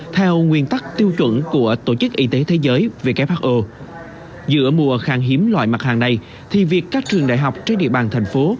theo nguyên tắc tiêu chuẩn của tổ chức y tế thế giới who giữa mùa khang hiếm loại mặt hàng này thì việc các trường đại học trên địa bàn thành phố